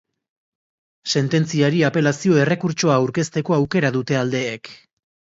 Sententziari apelazio-errekurtsoa aurkezteko aukera dute aldeek.